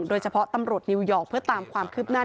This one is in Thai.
ตำรวจนิวยอร์กเพื่อตามความคืบหน้า